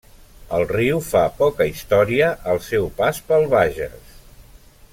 El riu fa poca història al seu pas pel Bages.